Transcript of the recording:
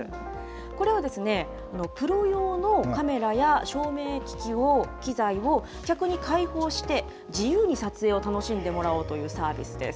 これはですね、プロ用のカメラや照明機器を、機材を客に開放して、自由に撮影を楽しんでもらおうというサービスです。